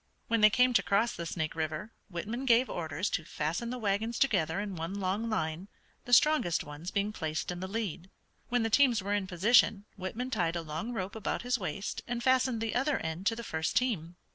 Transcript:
When they came to cross the Snake River Whitman gave orders to fasten the wagons together in one long line, the strongest ones being placed in the lead. When the teams were in position Whitman tied a long rope about his waist and fastened the other end to the first team.